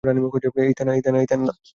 এই, থেনা।